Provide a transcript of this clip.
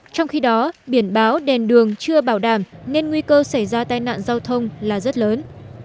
trong khi đó biển báo đèn đường chưa bảo đảm nên nguy cơ xảy ra tai nạn giao thông là rất lớn